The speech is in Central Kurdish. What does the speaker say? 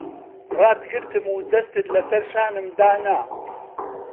ڕاتگرتم و دەستت لەسەر شانم دانا...